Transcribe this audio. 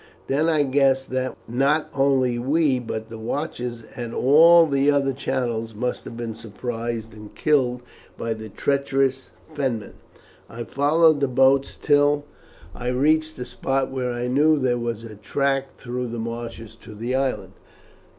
Then I guessed that not only we but the watchers at all the other channels must have been surprised and killed by the treacherous Fenmen. I followed the boats till I reached a spot where I knew there was a track through the marshes to the island.